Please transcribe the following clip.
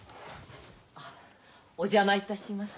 あお邪魔いたします。